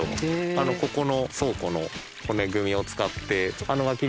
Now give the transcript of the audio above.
ここの倉庫の骨組みを使って。